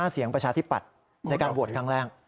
เสียงประชาธิปัตย์ในการโหวตครั้งแรก